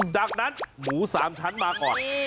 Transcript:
ดังนั้นหมูสามชั้นมาก่อน